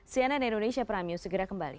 sianan indonesia pramyu segera kembali